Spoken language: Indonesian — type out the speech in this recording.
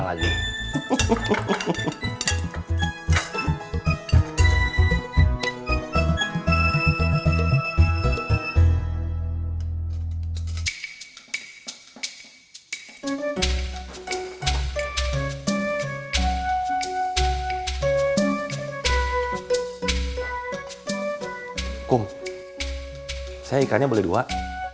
lho apa yang kamu buat bok